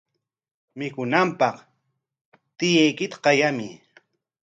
Mikunanpaq tiyuykita qayamuy.